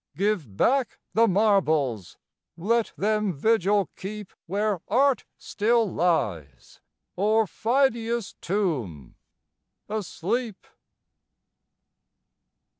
Give back the marbles; let them vigil keep Where art still lies, o'er Pheidias' tomb, asleep.